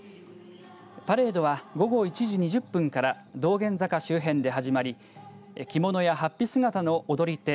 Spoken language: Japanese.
パレードは午後１時２０分から道玄坂周辺で始まり着物やはっぴ姿の踊り手